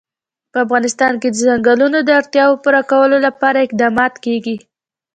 په افغانستان کې د ځنګلونه د اړتیاوو پوره کولو لپاره اقدامات کېږي.